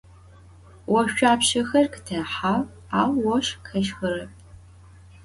Voşsuapşexer khıtêhağ, au voşx khêşxırep.